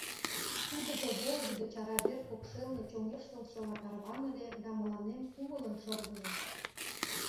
Тудыжо волгыдо чаравер покшелне чоҥештылшыла тарваныле да мыланем кумылын шыргыже.